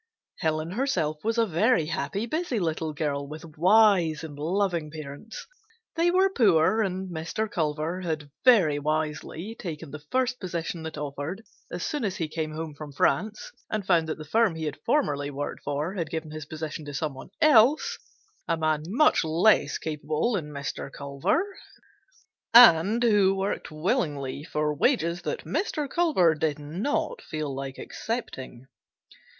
Helen herself was a very happy, busy little girl, with wise and loving parents. They were poor, and Mr. Culver had very wisely taken the first position that offered as soon as he came home from France and found that the firm he had formerly worked for had given his position to some one else, a man much less capable than Mr. Culver and who worked willingly for wages that Mr. Culver did not feel like accepting.